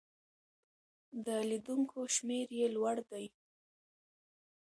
د لیدونکو شمېر یې لوړ دی.